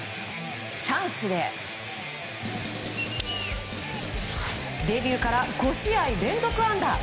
チャンスでデビューから５試合連続安打。